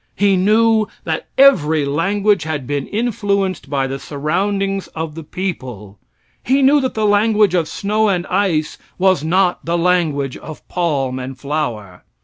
He knew that every language had been influenced by the surroundings of the people. He knew that the language of snow and ice was not the language of palm and flower.